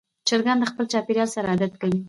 چرګان د خپل چاپېریال سره عادت کوي.